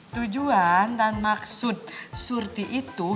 tujuan dan maksud surti itu